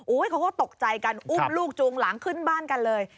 เขาก็ตกใจกันอุ้มลูกจูงหลังขึ้นบ้านกันเลย